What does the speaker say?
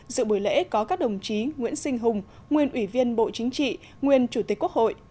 dự buổi lễ có các đồng chí nguyễn sinh hùng nguyên ủy viên bộ chính trị nguyên chủ tịch quốc hội